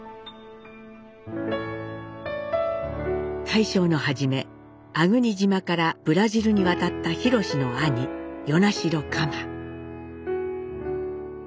大正の初め粟国島からブラジルに渡った廣の兄与那城蒲。